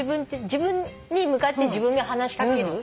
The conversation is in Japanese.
自分に向かって自分が話し掛ける。